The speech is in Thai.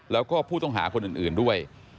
แล้วก็ผู้ต้องหาคนอื่นด้วย